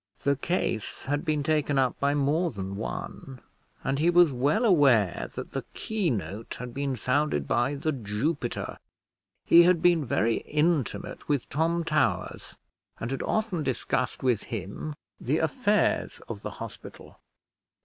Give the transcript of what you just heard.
The case had been taken up by more than one; and he was well aware that the keynote had been sounded by The Jupiter. He had been very intimate with Tom Towers, and had often discussed with him the affairs of the hospital.